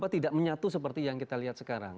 tidak menyatu seperti yang kita lihat sekarang